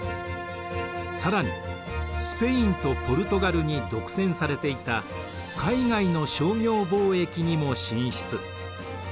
更にスペインとポルトガルに独占されていた海外の商業貿易にも進出。